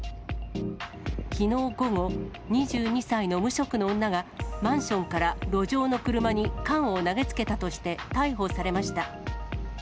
きのう午後、２２歳の無職の女が、マンションから路上の車に缶を投げつけたとして逮捕されました。